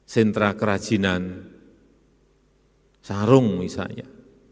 sentra kerajinan sarung misalnya